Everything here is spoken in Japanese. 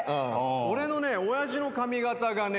俺の親父の髪形がね